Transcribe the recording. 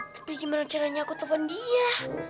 tapi gimana caranya aku telepon dia